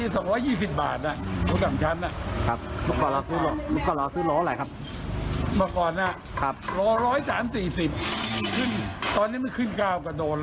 แต่ว่าเราไม่ขึ้นเราไม่อยู่ไว้ได้เหมือนกัน